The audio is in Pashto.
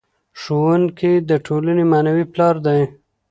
ښوونکی د ټولنې معنوي پلار دی.